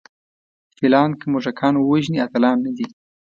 فیلان که موږکان ووژني اتلان نه دي.